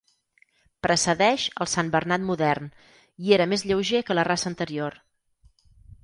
Precedeix el Santbernat modern, i era més lleuger que la raça anterior.